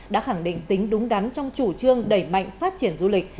đã khẳng định tính đúng đắn trong chủ trương đẩy mạnh phát triển du lịch